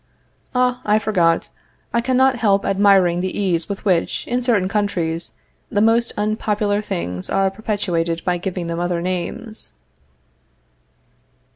Ah, I forgot, I cannot help admiring the ease with which, in certain countries, the most unpopular things are perpetuated by giving them other names.